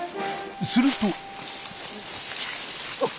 すると。